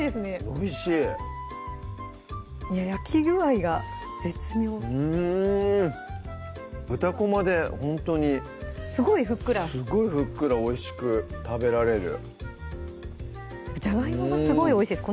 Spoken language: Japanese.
おいしい焼き具合が絶妙豚こまでほんとにすごいふっくらすごいふっくらおいしく食べられるじゃがいもがすごいおいしいです